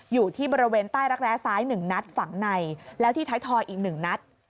อยู่ที่บริเวณใต้รักแร้ซ้าย๑นัดฝังในแล้วที่ท้ายทอยอีก๑นัด